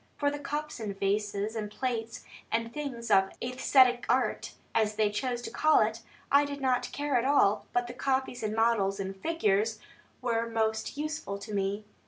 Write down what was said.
For the cups, and vases, and plates, and things of "æsthetic art" (as they chose to call it), I did not care at all; but the copies and models and figures were most useful to me.